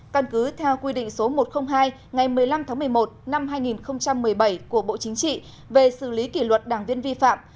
căn cứ theo quy định số một trăm linh hai ngày một mươi năm tháng một mươi một năm hai nghìn một mươi bảy của bộ chính trị về xử lý kỷ luật đảng viên vi phạm